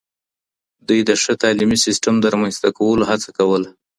دوی د ښه تعليمي سيستم د رامنځته کولو هڅه کوله.